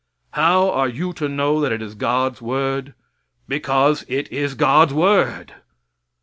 How are you to know that it is God's word? Because it is God's word.